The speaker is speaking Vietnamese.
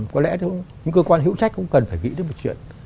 có lẽ những cơ quan hữu trách cũng cần phải nghĩ đến một chuyện